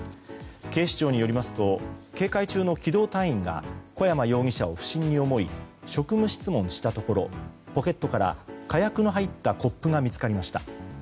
警視庁によりますと警戒中の機動隊員が小山容疑者を不審に思い職務質問したところポケットから火薬の入ったコップが見つかりました。